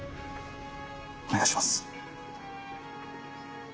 お願いします！